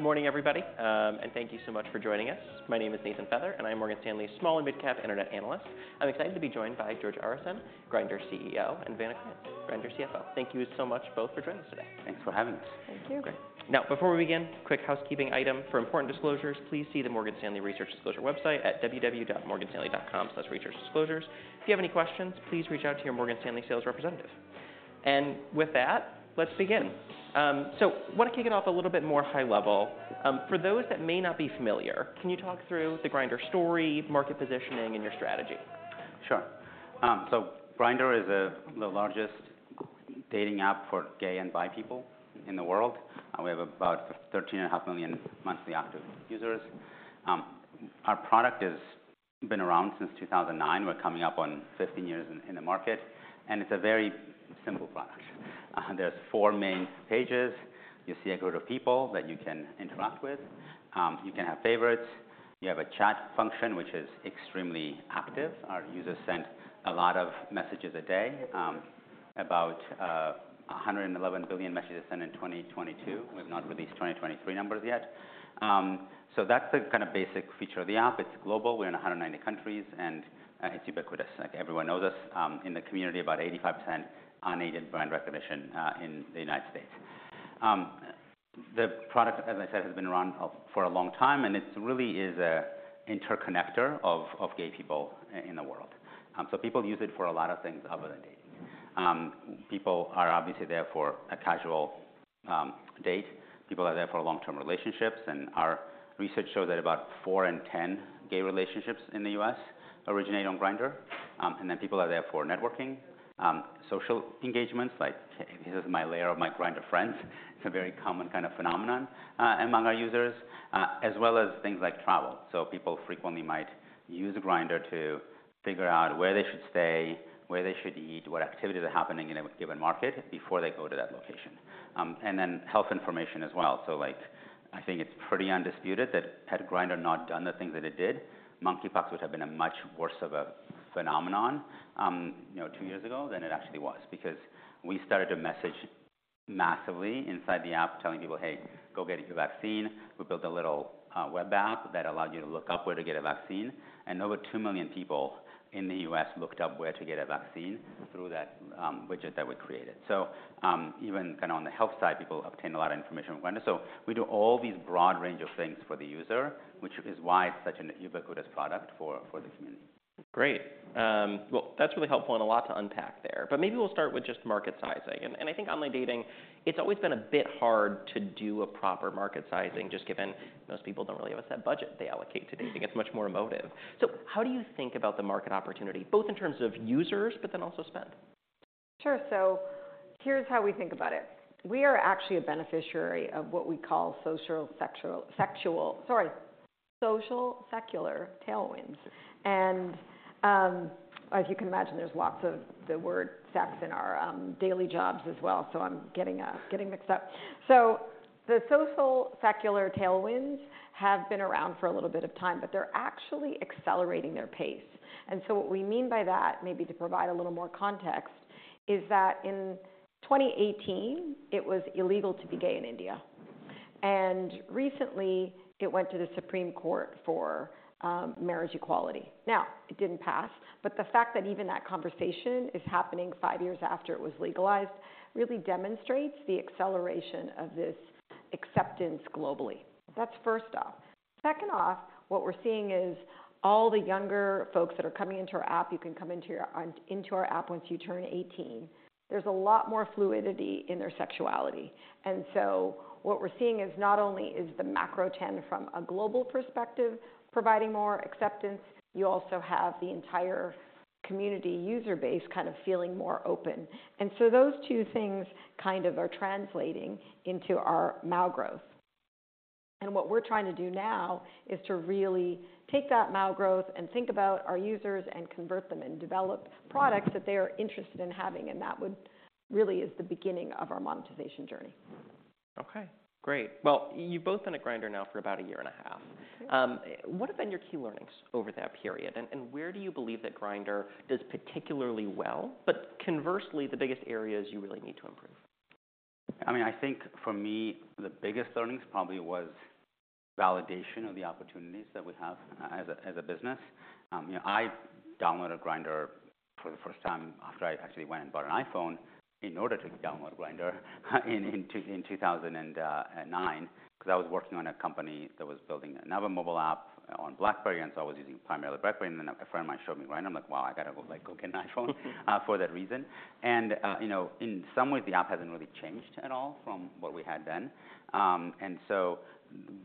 Morning, everybody, and thank you so much for joining us. My name is Nathan Feather, and I'm Morgan Stanley's Small & Mid-Cap Internet Analyst. I'm excited to be joined by George Arison, Grindr's CEO, and Vanna Krantz, Grindr's CFO. Thank you so much both for joining us today. Thanks for having us. Thank you. Okay. Now, before we begin, quick housekeeping item. For important disclosures, please see the Morgan Stanley Research Disclosure website at www.morganstanley.com/researchdisclosures. If you have any questions, please reach out to your Morgan Stanley sales representative. With that, let's begin. So wanna kick it off a little bit more high level. For those that may not be familiar, can you talk through the Grindr story, market positioning, and your strategy? Sure. So Grindr is the largest dating app for gay and bi people in the world, and we have about 13.5 million monthly active users. Our product has been around since 2009. We're coming up on 15 years in the market, and it's a very simple product. There's four main pages. You see a group of people that you can interact with. You can have favorites. You have a chat function, which is extremely active. Our users send a lot of messages a day, about 111 billion messages sent in 2022. We've not released 2023 numbers yet. So that's the kinda basic feature of the app. It's global. We're in 190 countries, and it's ubiquitous. Like, everyone knows us. In the community, about 85% unaided brand recognition in the United States. The product, as I said, has been around for a long time, and it really is an interconnector of gay people in the world. So people use it for a lot of things other than dating. People are obviously there for a casual date, people are there for long-term relationships, and our research shows that about four in ten gay relationships in the U.S. originate on Grindr. And then people are there for networking, social engagements, like, "This is my layer of my Grindr friends." It's a very common kinda phenomenon among our users, as well as things like travel. People frequently might use Grindr to figure out where they should stay, where they should eat, what activities are happening in a given market before they go to that location. And then health information as well. So, like, I think it's pretty undisputed that had Grindr not done the things that it did, monkeypox would have been a much worse of a phenomenon, you know, 2 years ago than it actually was, because we started to message massively inside the app, telling people: "Hey, go get your vaccine." We built a little web app that allowed you to look up where to get a vaccine, and over 2 million people in the U.S. looked up where to get a vaccine through that widget that we created. So even kinda on the health side, people obtain a lot of information from Grindr. We do all these broad range of things for the user, which is why it's such a ubiquitous product for the community. Great. Well, that's really helpful and a lot to unpack there, but maybe we'll start with just market sizing. I think online dating, it's always been a bit hard to do a proper market sizing, just given most people don't really have a set budget they allocate to dating. It's much more emotive. So how do you think about the market opportunity, both in terms of users, but then also spend? Sure, so here's how we think about it: We are actually a beneficiary of what we call social secular tailwinds. And, as you can imagine, there's lots of the word sex in our daily jobs as well, so I'm getting mixed up. So the social secular tailwinds have been around for a little bit of time, but they're actually accelerating their pace. And so what we mean by that, maybe to provide a little more context, is that in 2018, it was illegal to be gay in India, and recently it went to the Supreme Court for marriage equality. Now, it didn't pass, but the fact that even that conversation is happening five years after it was legalized really demonstrates the acceleration of this acceptance globally. That's first off. Second off, what we're seeing is all the younger folks that are coming into our app. You can come into our app once you turn 18. There's a lot more fluidity in their sexuality. And so what we're seeing is not only is the macro trend from a global perspective providing more acceptance, you also have the entire community user base kind of feeling more open. And so those two things kind of are translating into our MAU growth. And what we're trying to do now is to really take that MAU growth and think about our users and convert them and develop products that they are interested in having, and that would really is the beginning of our monetization journey. Okay, great. Well, you've both been at Grindr now for about a year and a half. Mm-hmm. What have been your key learnings over that period? And where do you believe that Grindr does particularly well, but conversely, the biggest areas you really need to improve? I mean, I think for me, the biggest learnings probably was validation of the opportunities that we have as a business. You know, I downloaded Grindr for the first time after I actually went and bought an iPhone in order to download Grindr in 2009, because I was working on a company that was building another mobile app on BlackBerry, and so I was using primarily BlackBerry. And then a friend of mine showed me Grindr, and I'm like: "Wow, I gotta go, like, go get an iPhone," for that reason. You know, in some ways, the app hasn't really changed at all from what we had then.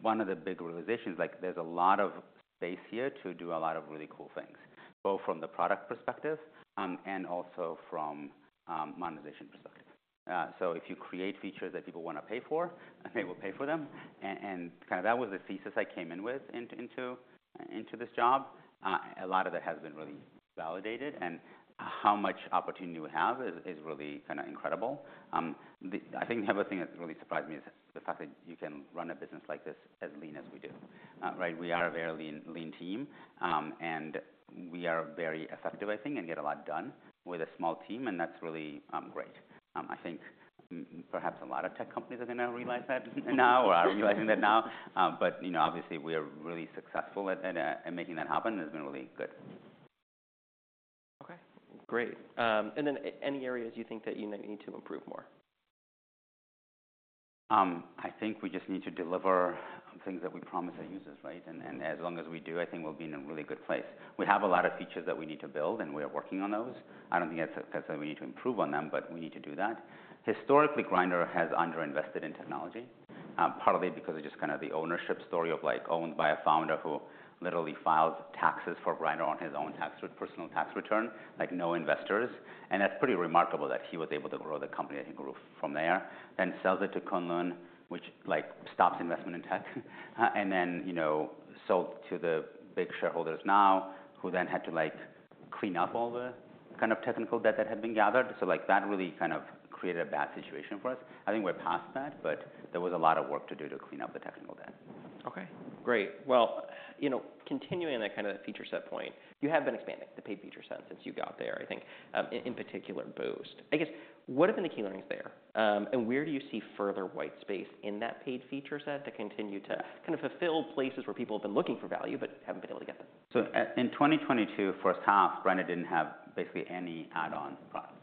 One of the big realizations, like, there's a lot of space here to do a lot of really cool things, both from the product perspective, and also from the monetization perspective. So if you create features that people wanna pay for, they will pay for them. And kinda that was the thesis I came in with into this job. A lot of that has been really validated, and how much opportunity we have is really kind of incredible. The other thing that's really surprised me is the fact that you can run a business like this as lean as we do. Right, we are a very lean, lean team, and we are very effective, I think, and get a lot done with a small team, and that's really great. Perhaps a lot of tech companies are gonna realize that now or are realizing that now. But you know, obviously we are really successful at it, and making that happen has been really good. Okay, great. And then any areas you think that you might need to improve more? We just need to deliver things that we promise our users, right? And, and as long as we do, I think we'll be in a really good place. We have a lot of features that we need to build, and we are working on those. I don't think that's why we need to improve on them, but we need to do that. Historically, Grindr has underinvested in technology, partly because of just kind of the ownership story of, like, owned by a founder who literally filed taxes for Grindr on his own personal tax return, like, no investors. And that's pretty remarkable that he was able to grow the company, I think, grew from there. Then sells it to Kunlun, which, like, stops investment in tech. Then, you know, sold to the big shareholders now, who then had to, like, clean up all the kind of technical debt that had been gathered. So, like, that really kind of created a bad situation for us. I think we're past that, but there was a lot of work to do to clean up the technical debt. Okay, great. Well, you know, continuing that kind of feature set point, you have been expanding the paid feature set since you got there, I think, in particular, Boost. I guess, what have been the key learnings there? And where do you see further white space in that paid feature set to continue to kind of fulfill places where people have been looking for value but haven't been able to get them? In 2022, first half, Grindr didn't have basically any add-on products.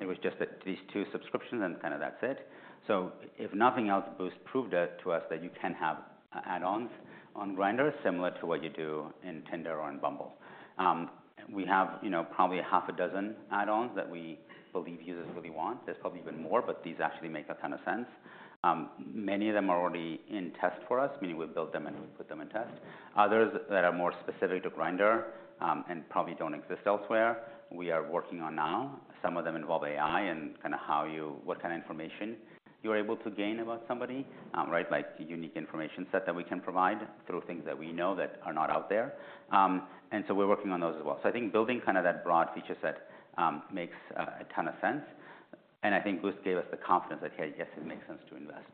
It was just that these two subscriptions, and kind of that's it. So if nothing else, Boost proved to us that you can have add-ons on Grindr, similar to what you do in Tinder or in Bumble. We have, you know, probably half a dozen add-ons that we believe users really want. There's probably even more, but these actually make a ton of sense. Many of them are already in test for us, meaning we've built them and we've put them in test. Others that are more specific to Grindr, and probably don't exist elsewhere, we are working on now. Some of them involve AI and kind of how what kind of information you're able to gain about somebody, right? Like the unique information set that we can provide through things that we know that are not out there. And so we're working on those as well. So I think building kind of that broad feature set makes a ton of sense, and I think Boost gave us the confidence that, hey, yes, it makes sense to invest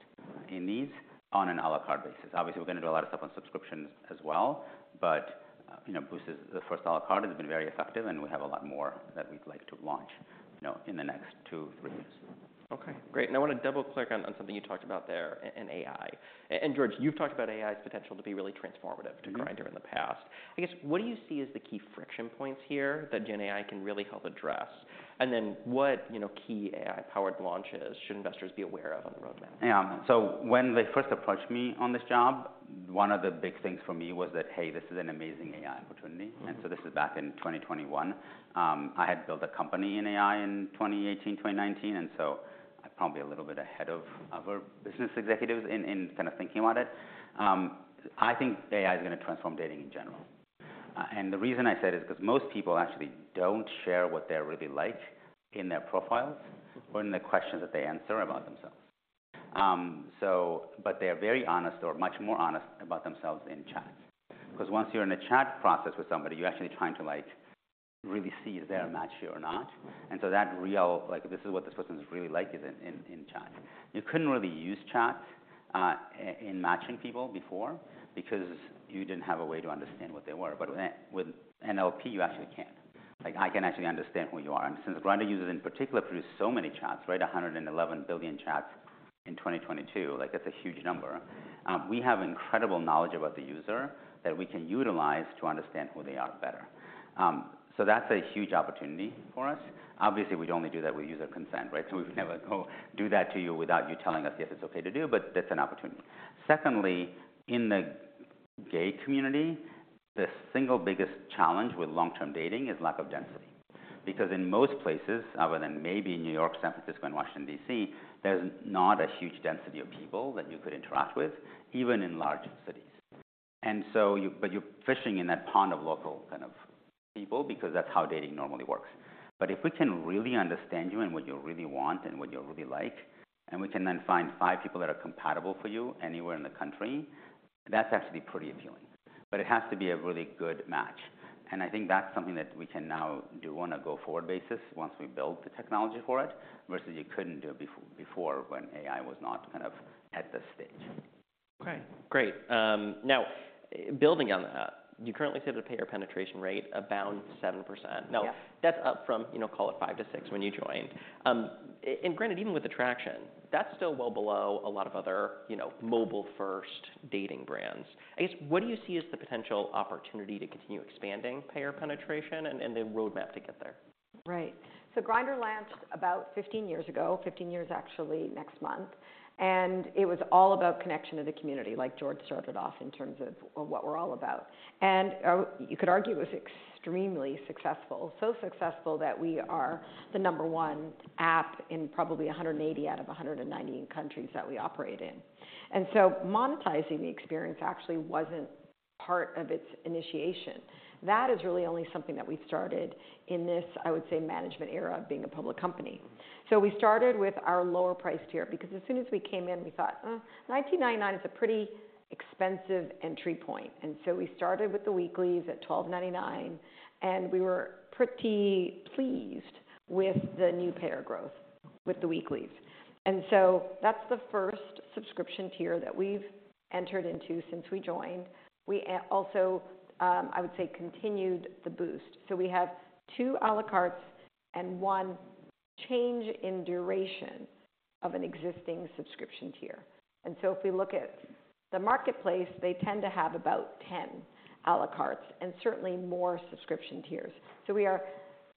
in these on an à la carte basis. Obviously, we're gonna do a lot of stuff on subscriptions as well, but you know, Boost is the first à la carte. It's been very effective, and we have a lot more that we'd like to launch, you know, in the next 2-3 years. Okay, great. And I wanna double-click on something you talked about there in AI. And George, you've talked about AI's potential to be really transformative- Mm-hmm. -to Grindr in the past. I guess, what do you see as the key friction points here that Gen AI can really help address? And then what, you know, key AI-powered launches should investors be aware of on the roadmap? Yeah. So when they first approached me on this job, one of the big things for me was that, hey, this is an amazing AI opportunity. Mm-hmm. This is back in 2021. I had built a company in AI in 2018, 2019, and so I'm probably a little bit ahead of other business executives in kind of thinking about it. I think AI is gonna transform dating in general. And the reason I said is 'cause most people actually don't share what they're really like in their profiles or in the questions that they answer about themselves. So, but they are very honest or much more honest about themselves in chat. 'Cause once you're in a chat process with somebody, you're actually trying to, like, really see, is there a match here or not? And so like, this is what this person is really like, is in chat. You couldn't really use chat in matching people before because you didn't have a way to understand what they were. But with NLP, you actually can. Like, I can actually understand who you are. And since Grindr users, in particular, produce so many chats, right, 111 billion chats in 2022, like, that's a huge number. We have incredible knowledge about the user that we can utilize to understand who they are better. So that's a huge opportunity for us. Obviously, we'd only do that with user consent, right? So we would never go do that to you without you telling us, "Yes, it's okay to do," but that's an opportunity. Secondly, in the gay community, the single biggest challenge with long-term dating is lack of density. Because in most places, other than maybe New York, San Francisco, and Washington, D.C., there's not a huge density of people that you could interact with, even in large cities. And so but you're fishing in that pond of local kind of people because that's how dating normally works. But if we can really understand you and what you really want and what you really like, and we can then find five people that are compatible for you anywhere in the country, that's actually pretty appealing. But it has to be a really good match, and I think that's something that we can now do on a go-forward basis once we build the technology for it, versus you couldn't do it before when AI was not kind of at this stage. Okay, great. Now building on that, you currently say the payer penetration rate about 7%. Yeah. Now, that's up from, you know, call it 5-6 when you joined. And granted, even with attraction, that's still well below a lot of other, you know, mobile-first dating brands. I guess, what do you see as the potential opportunity to continue expanding payer penetration and the roadmap to get there? Right. So Grindr launched about 15 years ago, 15 years, actually, next month, and it was all about connection to the community, like George started off, in terms of what we're all about. And you could argue it was extremely successful. So successful that we are the number one app in probably 180 out of 190 countries that we operate in. And so monetizing the experience actually wasn't part of its initiation. That is really only something that we started in this, I would say, management era of being a public company. So we started with our lower priced tier, because as soon as we came in, we thought, "$19.99 is a pretty expensive entry point." And so we started with the weeklies at $12.99, and we were pretty pleased with the new payer growth... with the weeklies. That's the first subscription tier that we've entered into since we joined. We also, I would say, continued the Boost. So we have two à la cartes and one change in duration of an existing subscription tier. If we look at the marketplace, they tend to have about 10 à la cartes and certainly more subscription tiers. So we are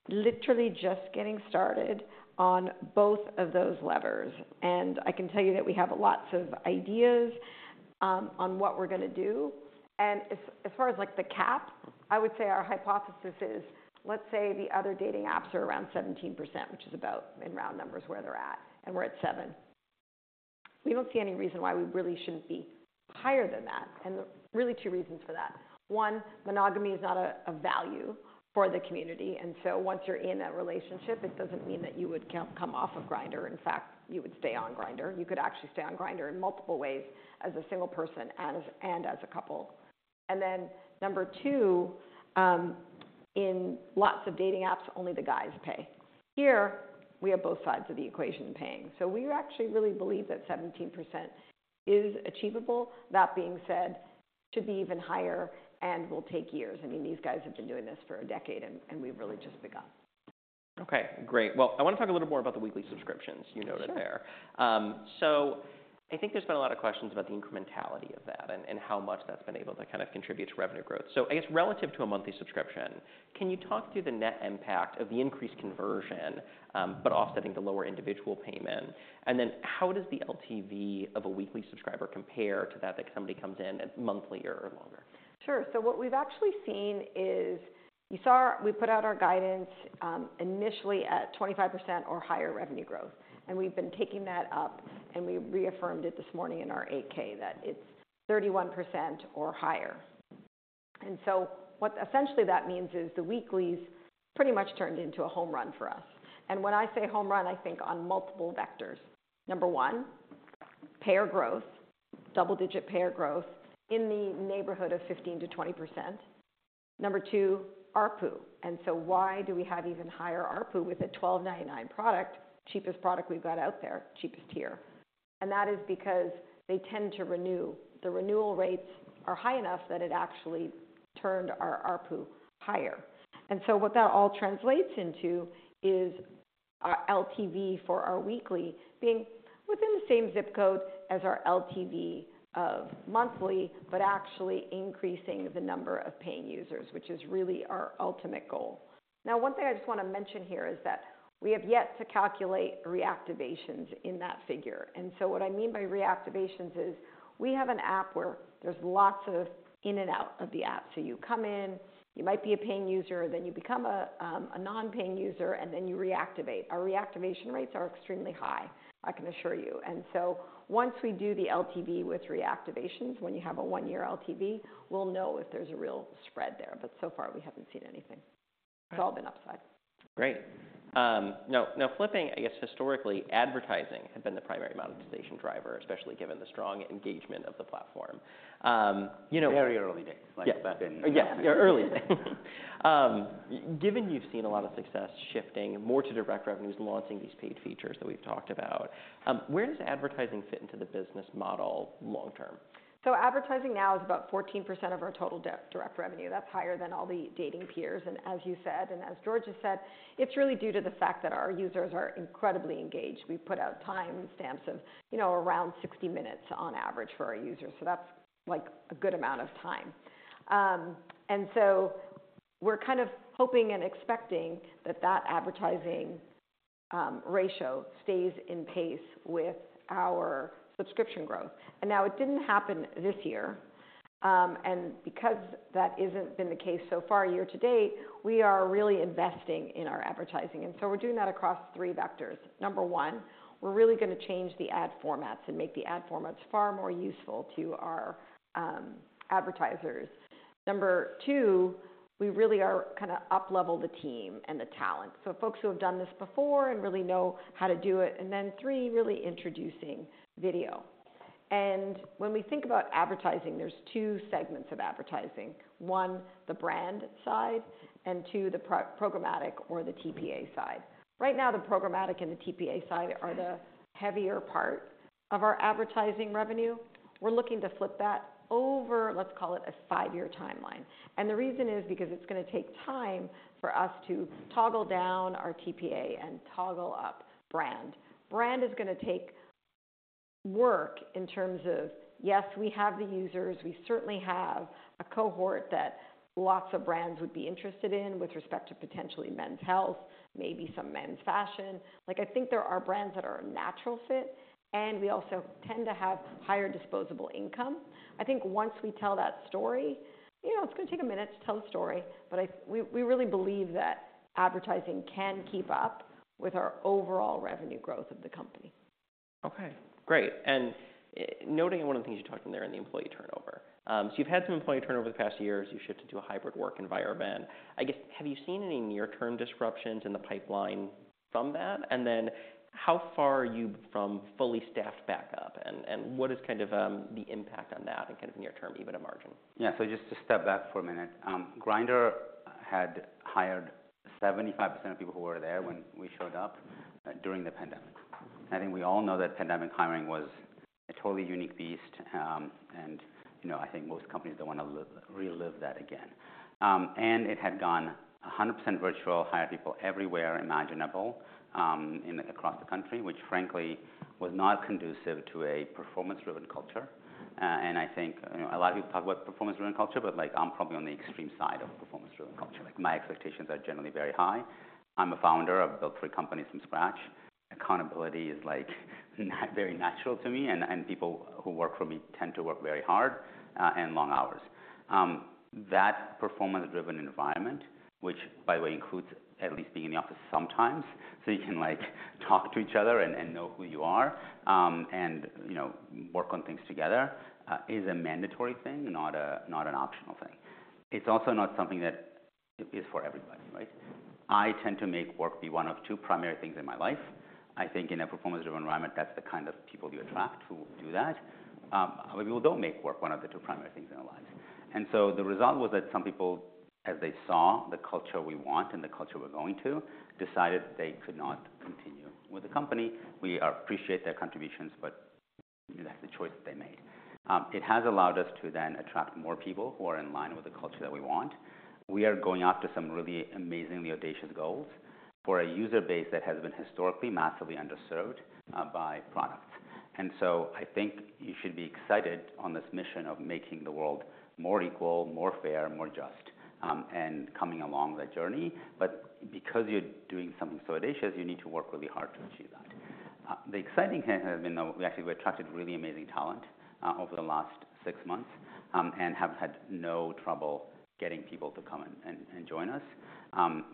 literally just getting started on both of those levers. I can tell you that we have lots of ideas on what we're gonna do. And as far as, like, the cap, I would say our hypothesis is, let's say the other dating apps are around 17%, which is about, in round numbers, where they're at, and we're at 7%. We don't see any reason why we really shouldn't be higher than that, and there are really two reasons for that. 1, monogamy is not a value for the community, and so once you're in that relationship, it doesn't mean that you would come off of Grindr. In fact, you would stay on Grindr. You could actually stay on Grindr in multiple ways as a single person and as a couple. And then number 2, in lots of dating apps, only the guys pay. Here, we have both sides of the equation paying. So we actually really believe that 17% is achievable. That being said, should be even higher and will take years. I mean, these guys have been doing this for a decade, and we've really just begun. Okay, great. Well, I want to talk a little more about the weekly subscriptions you noted there. Sure. I think there's been a lot of questions about the incrementality of that and, and how much that's been able to kind of contribute to revenue growth. I guess relative to a monthly subscription, can you talk through the net impact of the increased conversion, but offsetting the lower individual payment? Then how does the LTV of a weekly subscriber compare to that, if somebody comes in at monthly or longer? Sure. So what we've actually seen is... You saw we put out our guidance, initially at 25% or higher revenue growth, and we've been taking that up, and we reaffirmed it this morning in our 8-K that it's 31% or higher. And so what essentially that means is the weeklies pretty much turned into a home run for us. And when I say home run, I think on multiple vectors. Number one, payer growth, double-digit payer growth in the neighborhood of 15%-20%. Number two, ARPU. And so why do we have even higher ARPU with a $12.99 product? Cheapest product we've got out there, cheapest tier. And that is because they tend to renew. The renewal rates are high enough that it actually turned our ARPU higher. What that all translates into is our LTV for our weekly being within the same zip code as our LTV of monthly, but actually increasing the number of paying users, which is really our ultimate goal. Now, one thing I just want to mention here is that we have yet to calculate reactivations in that figure. And so what I mean by reactivations is, we have an app where there's lots of in and out of the app. You come in, you might be a paying user, then you become a, a non-paying user, and then you reactivate. Our reactivation rates are extremely high, I can assure you. And so once we do the LTV with reactivations, when you have a one-year LTV, we'll know if there's a real spread there. But so far, we haven't seen anything. It's all been upside. Great. Now, flipping, I guess, historically, advertising had been the primary monetization driver, especially given the strong engagement of the platform. You know- Very early days. Yes. Like back in- Yeah, yeah, early. Given you've seen a lot of success shifting more to direct revenues and launching these paid features that we've talked about, where does advertising fit into the business model long term? Advertising now is about 14% of our total direct revenue. That's higher than all the dating peers. And as you said, and as George has said, it's really due to the fact that our users are incredibly engaged. We've put out time stats of, you know, around 60 minutes on average for our users, so that's, like, a good amount of time. We're kind of hoping and expecting that that advertising ratio stays in pace with our subscription growth. And now, it didn't happen this year. And because that isn't been the case so far, year to date, we are really investing in our advertising, and so we're doing that across three vectors. Number one, we're really gonna change the ad formats and make the ad formats far more useful to our advertisers. Number 2, we really are kind of up-level the team and the talent, so folks who have done this before and really know how to do it. And then 3, really introducing video. And when we think about advertising, there's two segments of advertising: one, the brand side, and two, the programmatic or the TPA side. Right now, the programmatic and the TPA side are the heavier part of our advertising revenue. We're looking to flip that over, let's call it a 5-year timeline. And the reason is because it's gonna take time for us to toggle down our TPA and toggle up brand. Brand is gonna take work in terms of, yes, we have the users, we certainly have a cohort that lots of brands would be interested in with respect to potentially men's health, maybe some men's fashion. Like, I think there are brands that are a natural fit, and we also tend to have higher disposable income. I think once we tell that story, you know, it's gonna take a minute to tell the story, but we really believe that advertising can keep up with our overall revenue growth of the company. Okay, great. And, noting one of the things you talked in there, in the employee turnover. So you've had some employee turnover the past years. You've shifted to a hybrid work environment. I guess, have you seen any near-term disruptions in the pipeline from that? And then how far are you from fully staffed back up, and, and what is kind of, the impact on that and kind of near term, even a margin? Yeah. So just to step back for a minute, Grindr had hired 75% of people who were there when we showed up during the pandemic. I think we all know that pandemic hiring was a totally unique beast. And, you know, I think most companies don't want to relive that again. And it had gone 100% virtual, hired people everywhere imaginable across the country, which frankly, was not conducive to a performance-driven culture. I think, you know, a lot of people talk about performance-driven culture, but, like, I'm probably on the extreme side of performance-driven culture. Like, my expectations are generally very high. I'm a founder. I've built 3 companies from scratch. Accountability is, like, very natural to me, and people who work for me tend to work very hard and long hours. That performance-driven environment, which, by the way, includes at least being in the office sometimes, so you can, like, talk to each other and know who you are, and, you know, work on things together, is a mandatory thing, not a, not an optional thing. It's also not something that is for everybody, right? I tend to make work be one of two primary things in my life. In a performance-driven environment, that's the kind of people you attract who do that. But people don't make work one of the two primary things in their lives. And so the result was that some people, as they saw the culture we want and the culture we're going to, decided they could not continue with the company. We appreciate their contributions, but that's the choice they made. It has allowed us to then attract more people who are in line with the culture that we want. We are going after some really amazingly audacious goals for a user base that has been historically massively underserved by products. And so I think you should be excited on this mission of making the world more equal, more fair, more just, and coming along the journey. But because you're doing something so audacious, you need to work really hard to achieve that. The exciting thing has been that we actually attracted really amazing talent over the last six months and have had no trouble getting people to come and join us.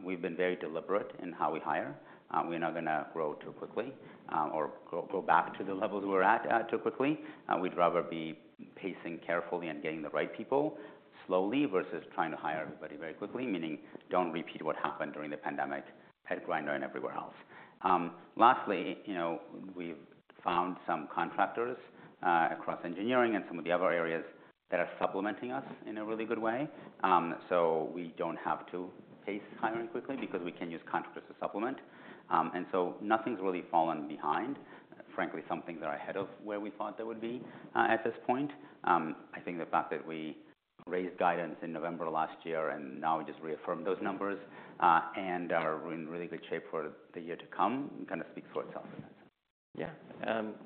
We've been very deliberate in how we hire. We're not gonna grow too quickly or go back to the levels we were at too quickly. We'd rather be pacing carefully and getting the right people slowly versus trying to hire everybody very quickly, meaning don't repeat what happened during the pandemic at Grindr and everywhere else. Lastly, you know, we've found some contractors across engineering and some of the other areas that are supplementing us in a really good way. So we don't have to pace hiring quickly because we can use contractors to supplement. And so nothing's really fallen behind. Frankly, some things are ahead of where we thought they would be at this point. I think the fact that we raised guidance in November last year, and now we just reaffirmed those numbers and are in really good shape for the year to come, kind of speaks for itself. Yeah.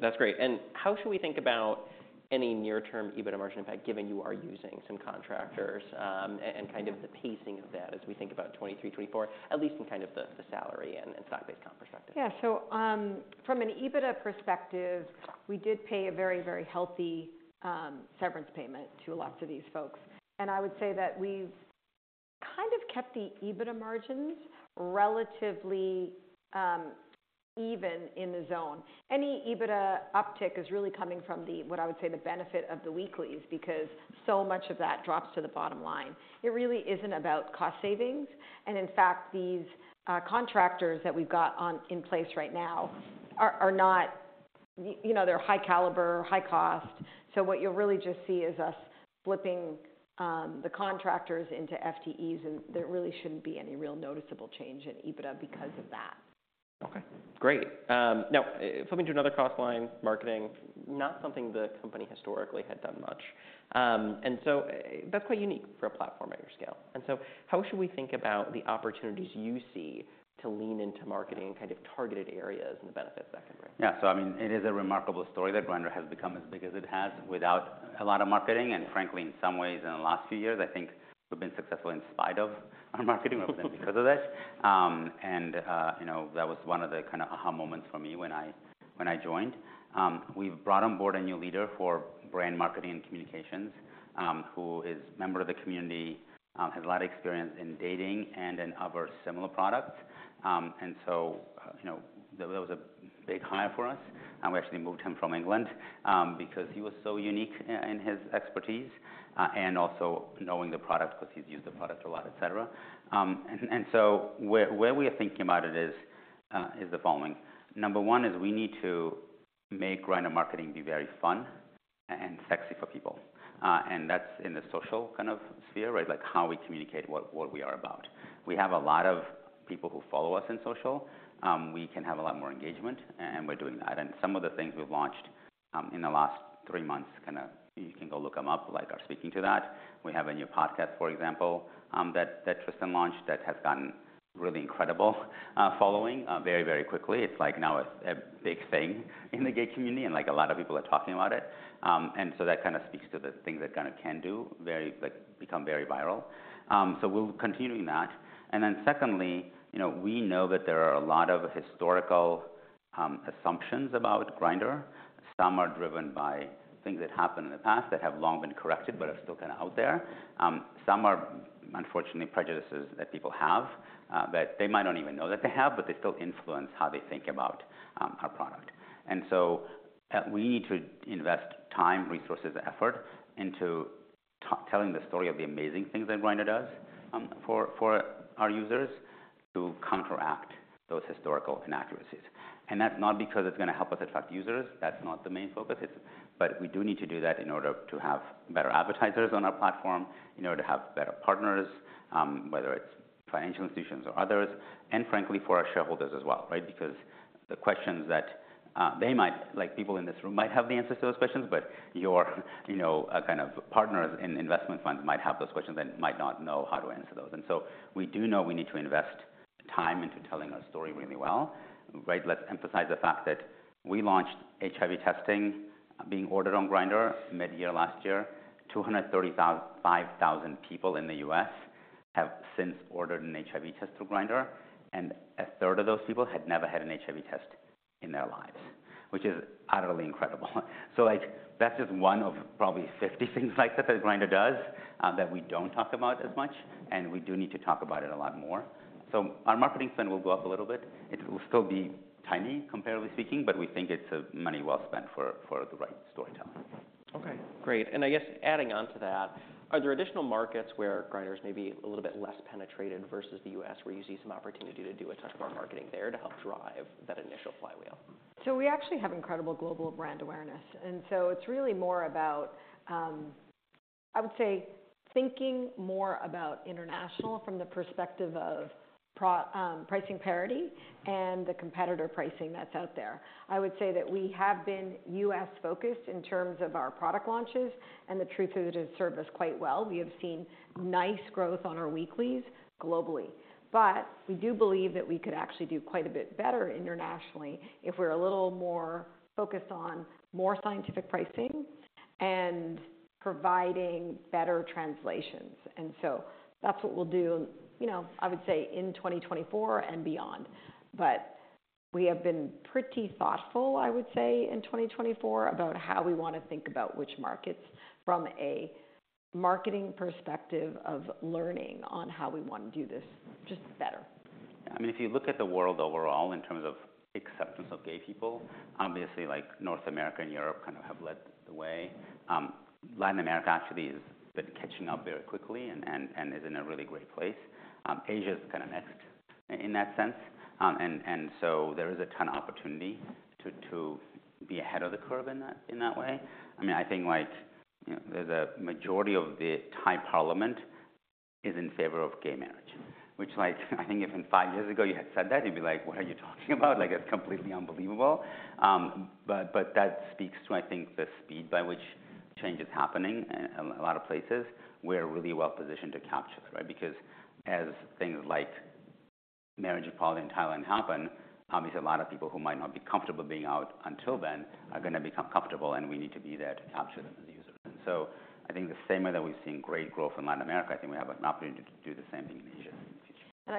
That's great. How should we think about any near-term EBITDA margin impact, given you are using some contractors, and kind of the pacing of that as we think about 2023, 2024, at least in kind of the salary and stock-based comp perspective? Yeah. So, from an EBITDA perspective, we did pay a very, very healthy severance payment to lots of these folks. And I would say that we've kind of kept the EBITDA margins relatively even in the zone. Any EBITDA uptick is really coming from the... what I would say, the benefit of the weeklies, because so much of that drops to the bottom line. It really isn't about cost savings, and in fact, these contractors that we've got on, in place right now are not, you know, they're high caliber, high cost. So what you'll really just see is us flipping the contractors into FTEs, and there really shouldn't be any real noticeable change in EBITDA because of that. Okay, great. Now flipping to another cross line, marketing, not something the company historically had done much. And so that's quite unique for a platform at your scale. And so how should we think about the opportunities you see to lean into marketing in kind of targeted areas and the benefits that can bring? Yeah. So I mean, it is a remarkable story that Grindr has become as big as it has without a lot of marketing, and frankly, in some ways, in the last few years, I think we've been successful in spite of our marketing or because of it. You know, that was one of the kind of aha moments for me when I joined. We've brought on board a new leader for brand marketing and communications, who is member of the community, has a lot of experience in dating and in other similar products. And so, you know, that was a big hire for us. And we actually moved him from England, because he was so unique in his expertise, and also knowing the product because he's used the product a lot, et cetera. Where we are thinking about it is the following: number one is we need to make Grindr marketing be very fun and sexy for people. And that's in the social kind of sphere, right? Like, how we communicate what we are about. We have a lot of people who follow us on social. We can have a lot more engagement, and we're doing that. And some of the things we've launched in the last 3 months, kinda, you can go look them up, like, are speaking to that. We have a new podcast, for example, that Tristan launched that has gotten really incredible following very, very quickly. It's like now a big thing in the gay community, and, like, a lot of people are talking about it. That kinda speaks to the things that kinda can do, very like, become very viral. So we'll continuing that. And then secondly, you know, we know that there are a lot of historical assumptions about Grindr. Some are driven by things that happened in the past that have long been corrected but are still kinda out there. Some are unfortunately prejudices that people have, that they might not even know that they have, but they still influence how they think about our product. And so we need to invest time, resources, and effort into telling the story of the amazing things that Grindr does for our users to counteract those historical inaccuracies. And that's not because it's gonna help us attract users, that's not the main focus. We do need to do that in order to have better advertisers on our platform, in order to have better partners, whether it's financial institutions or others, and frankly, for our shareholders as well, right? Because the questions that they might, like, people in this room might have the answers to those questions, but your, you know, kind of partners in investment funds might have those questions and might not know how to answer those. We do know we need to invest time into telling our story really well. Right, let's emphasize the fact that we launched HIV testing being ordered on Grindr mid-year last year. 235,000 people in the U.S. have since ordered an HIV test through Grindr, and a third of those people had never had an HIV test in their lives, which is utterly incredible. That's just one of probably 50 things like that that Grindr does that we don't talk about as much, and we do need to talk about it a lot more. So our marketing spend will go up a little bit. It will still be tiny, comparatively speaking, but we think it's money well spent for the right storytelling. Okay, great. And I guess adding on to that, are there additional markets where Grindr's maybe a little bit less penetrated versus the US, where you see some opportunity to do a ton more marketing there to help drive that initial flywheel? We actually have incredible global brand awareness, and so it's really more about, I would say, thinking more about international from the perspective of proper pricing parity and the competitor pricing that's out there. I would say that we have been U.S.-focused in terms of our product launches, and the truth is, it has served us quite well. We have seen nice growth on our weeklies globally. But we do believe that we could actually do quite a bit better internationally if we're a little more focused on more scientific pricing and providing better translations. And so that's what we'll do, you know, I would say, in 2024 and beyond. But we have been pretty thoughtful, I would say, in 2024, about how we want to think about which markets from a marketing perspective of learning on how we want to do this just better. I mean, if you look at the world overall in terms of acceptance of gay people, obviously, like, North America and Europe kind of have led the way. Latin America actually has been catching up very quickly and is in a really great place. Asia is kind of next in that sense. So there is a ton of opportunity to be ahead of the curve in that way. The majority of the Thai parliament is in favor of gay marriage, which, like, I think if in five years ago you had said that, you'd be like: "What are you talking about?" Like, that's completely unbelievable. But that speaks to, I think, the speed by which change is happening in a lot of places. We're really well positioned to capture it, right? Because as things like marriage equality in Thailand happen, obviously, a lot of people who might not be comfortable being out until then are gonna become comfortable, and we need to be there to capture them as users. And so I think the same way that we've seen great growth in Latin America, I think we have an opportunity to do the same thing in Asia in the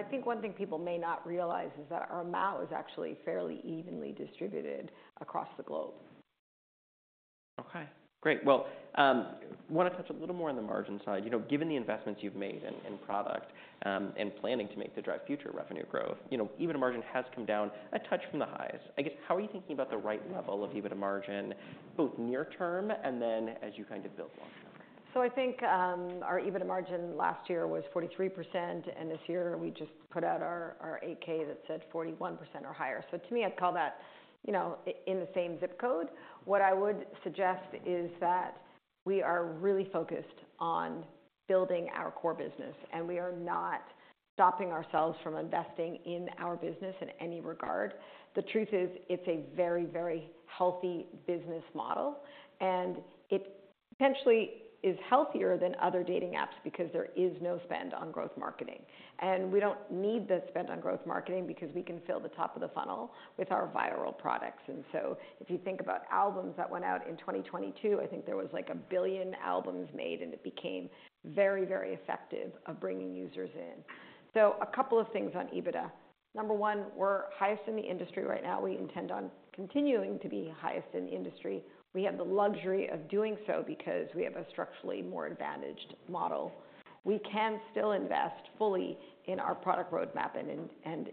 future. One thing people may not realize is that our MAU is actually fairly evenly distributed across the globe. Okay, great. Well, I wanna touch a little more on the margin side. You know, given the investments you've made in product, and planning to make to drive future revenue growth, you know, EBITDA margin has come down a touch from the highs. I guess, how are you thinking about the right level of EBITDA margin, both near term and then as you kind of build long term? Our EBITDA margin last year was 43%, and this year we just put out our 8-K that said 41% or higher. So to me, I'd call that, you know, in the same zip code. What I would suggest is that we are really focused on building our core business, and we are not stopping ourselves from investing in our business in any regard. The truth is, it's a very, very healthy business model, and it potentially is healthier than other dating apps because there is no spend on growth marketing. And we don't need the spend on growth marketing because we can fill the top of the funnel with our viral products. If you think about albums that went out in 2022, I think there was, like, 1 billion albums made, and it became very, very effective of bringing users in. So a couple of things on EBITDA. Number one, we're highest in the industry right now. We intend on continuing to be highest in the industry. We have the luxury of doing so because we have a structurally more advantaged model. We can still invest fully in our product roadmap and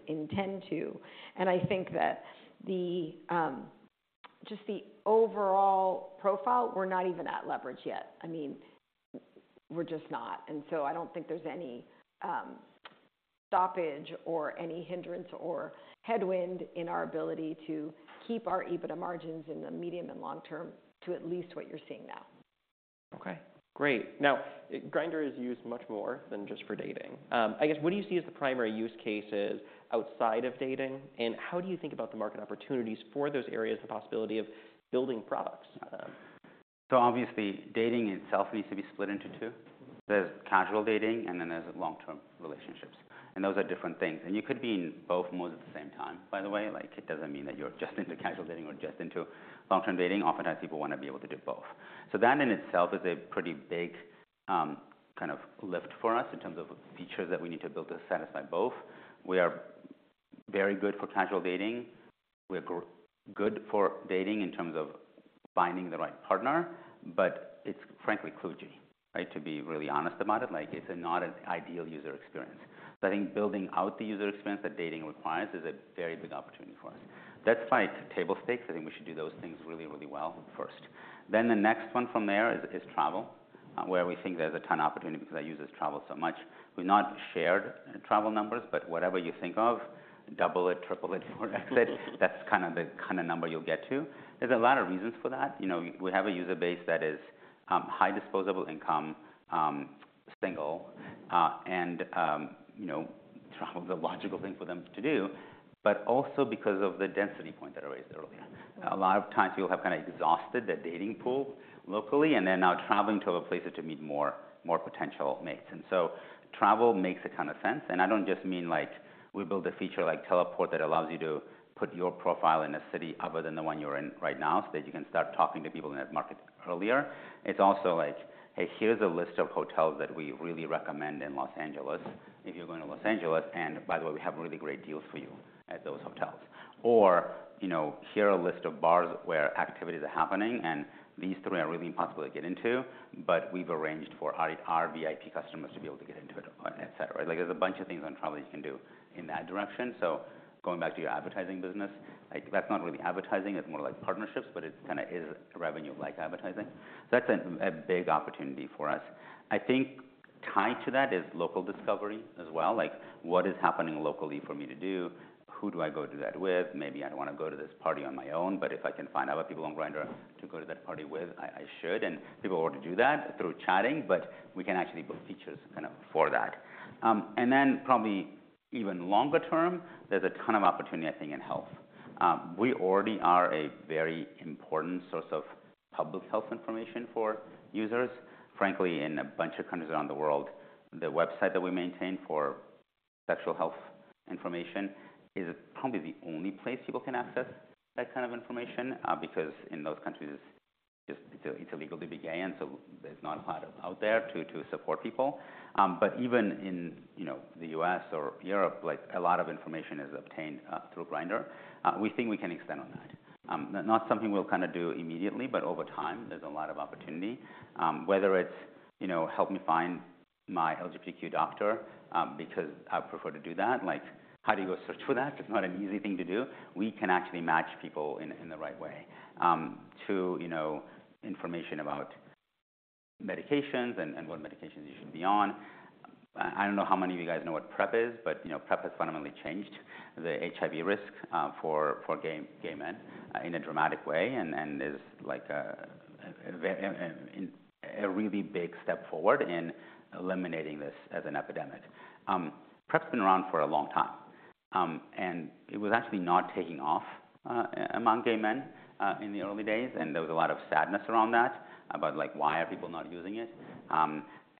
intend to, and I think that the just the overall profile, we're not even at leverage yet. I mean, we're just not. And so I don't think there's any stoppage or any hindrance or headwind in our ability to keep our EBITDA margins in the medium and long term to at least what you're seeing now. Okay, great. Now, Grindr is used much more than just for dating. I guess, what do you see as the primary use cases outside of dating, and how do you think about the market opportunities for those areas, the possibility of building products? Obviously, dating itself needs to be split into two. There's casual dating, and then there's long-term relationships, and those are different things. And you could be in both modes at the same time, by the way, like, it doesn't mean that you're just into casual dating or just into long-term dating. Oftentimes, people want to be able to do both. So that in itself is a pretty big, kind of lift for us in terms of features that we need to build to satisfy both. We are very good for casual dating. We're good for dating in terms of finding the right partner, but it's frankly kludgy, right? To be really honest about it, like, it's not an ideal user experience. So I think building out the user experience that dating requires is a very big opportunity for us. That's quite table stakes. We should do those things really, really well first. Then the next one from there is travel, where we think there's a ton of opportunity because our users travel so much. We've not shared travel numbers, but whatever you think of, double it, triple it, quadruple it, that's kind of the kind of number you'll get to. There's a lot of reasons for that. You know, we have a user base that is high disposable income, single, and you know, travel's a logical thing for them to do, but also because of the density point that I raised earlier. A lot of times, people have kind of exhausted their dating pool locally, and they're now traveling to other places to meet more, more potential mates. Travel makes a ton of sense, and I don't just mean, like, we build a feature like teleport, that allows you to put your profile in a city other than the one you're in right now, so that you can start talking to people in that market earlier. It's also like, "Hey, here's a list of hotels that we really recommend in Los Angeles if you're going to Los Angeles, and by the way, we have really great deals for you at those hotels." Or, you know, "Here are a list of bars where activities are happening, and these three are really impossible to get into, but we've arranged for our VIP customers to be able to get into it," et cetera. Like, there's a bunch of things on travel you can do in that direction. Going back to your advertising business, like, that's not really advertising, it's more like partnerships, but it's kinda is revenue like advertising. So that's a big opportunity for us. I think tied to that is local discovery as well, like, what is happening locally for me to do? Who do I go do that with? Maybe I don't wanna go to this party on my own, but if I can find other people on Grindr to go to that party with, I should, and people already do that through chatting, but we can actually build features kind of for that. And then probably even longer term, there's a ton of opportunity, I think, in health. We already are a very important source of public health information for users. Frankly, in a bunch of countries around the world, the website that we maintain for sexual health information is probably the only place people can access that kind of information, because in those countries, it's just illegal to be gay, and so there's not a lot out there to support people. But even in, you know, the U.S. or Europe, like, a lot of information is obtained through Grindr. We think we can extend on that. Not something we'll kind of do immediately, but over time, there's a lot of opportunity. Whether it's, you know, help me find my LGBTQ doctor, because I prefer to do that. Like, how do you go search for that? It's not an easy thing to do. We can actually match people in the right way to you know information about medications and what medications you should be on. I don't know how many of you guys know what PrEP is, but you know PrEP has fundamentally changed the HIV risk for gay men in a dramatic way and is like a really big step forward in eliminating this as an epidemic. PrEP's been around for a long time and it was actually not taking off among gay men in the early days, and there was a lot of sadness around that, about like why are people not using it?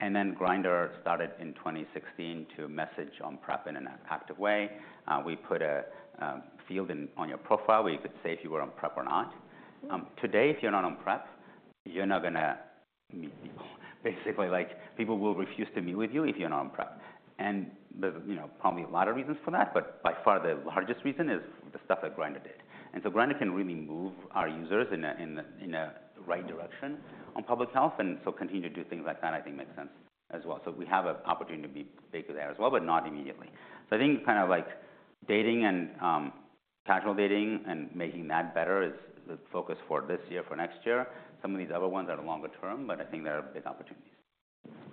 And then Grindr started in 2016 to message on PrEP in an active way. We put a field in on your profile where you could say if you were on PrEP or not. Today, if you're not on PrEP, you're not gonna meet people. Basically, like, people will refuse to meet with you if you're not on PrEP, and there's, you know, probably a lot of reasons for that, but by far, the largest reason is the stuff that Grindr did. Grindr can really move our users in a right direction on public health, and so continuing to do things like that, I think, makes sense as well. So we have an opportunity to be big there as well, but not immediately. So I think kind of, like, dating and casual dating and making that better is the focus for this year, for next year. Some of these other ones are longer term, but I think they're big opportunities.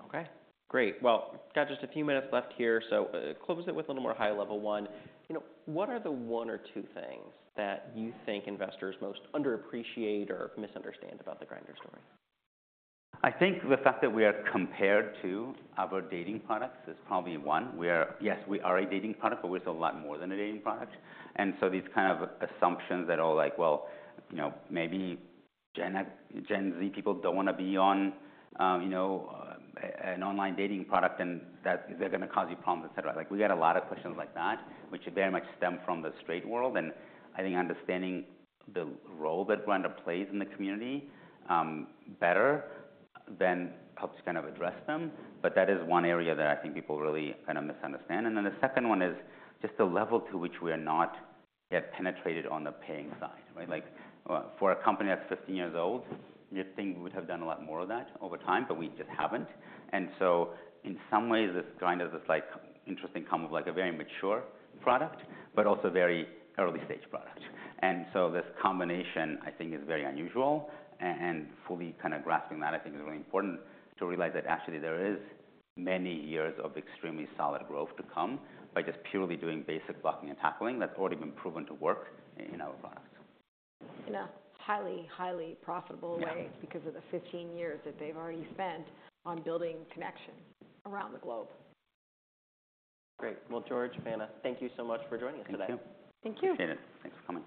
Okay, great. Well, got just a few minutes left here, so, close it with a little more high level one. You know, what are the one or two things that you think investors most underappreciate or misunderstand about the Grindr story? The fact that we are compared to other dating products is probably one. We are—yes, we are a dating product, but we're still a lot more than a dating product. And so these kind of assumptions that are like, well, you know, maybe Gen Z people don't wanna be on, you know, an online dating product, and that's—they're gonna cause you problems, et cetera. Like, we get a lot of questions like that, which very much stem from the straight world, and I think understanding the role that Grindr plays in the community better then helps kind of address them. But that is one area that I think people really kind of misunderstand. And then the second one is just the level to which we are not yet penetrated on the paying side, right? Like, for a company that's 15 years old, you'd think we would have done a lot more of that over time, but we just haven't. So in some ways, it's kind of this, like, interesting combo of, like, a very mature product, but also very early stage product. So this combination, I think, is very unusual and, and fully kind of grasping that, I think, is really important to realize that actually there is many years of extremely solid growth to come by just purely doing basic blocking and tackling. That's already been proven to work in our products. In a highly, highly profitable way- Yeah... because of the 15 years that they've already spent on building connections around the globe. Great. Well, George, Vanna, thank you so much for joining us today. Thank you. Thank you. Appreciate it. Thanks for coming.